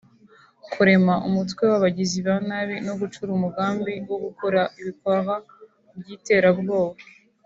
kurema umutwe w’abagizi ba nabi no gucura umugambi wo gukora ibikorwa by’iterabwoba